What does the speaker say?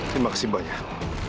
terima kasih banyak